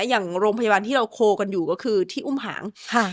อย่างโรงพยาบาลที่เราโคลกันอยู่ก็คือที่อุ้มหาง